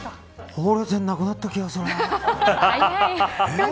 ほうれい線なくなった気がするな。